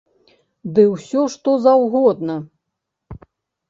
Ды ўсё што заўгодна!